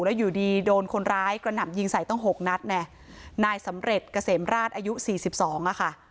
แล้วอยู่ดีโดนคนร้ายกระหน่ำยิงใส่ต้องหกนัดไงนายสำเร็จเกษมราชอายุสี่สิบสองอ่ะค่ะ